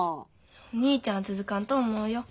お兄ちゃんは続かんと思うよ。